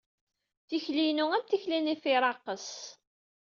Tikli-inu am tikli n ifiraɛqes